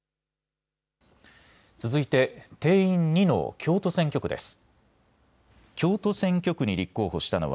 続いて定員２の京都選挙区です。